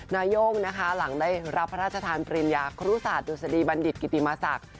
นาย่งนะคะหลังได้รับพระราชทานปริญญาครูศาสตดุษฎีบัณฑิตกิติมาศักดิ์